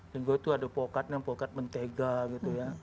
lingga itu ada pokatnya pokat mentega gitu ya